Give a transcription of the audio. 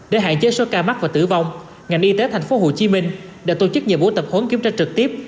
để hạn chế số ca mắc và tử vong ngành y tế thành phố hồ chí minh đã tổ chức nhiệm vụ tập hốn kiểm tra trực tiếp